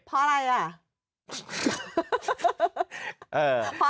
เพราะอะไรอ่ะ